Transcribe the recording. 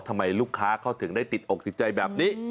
ทำไมลูกค้าเขาถึงได้ติดอกติดใจแบบนี้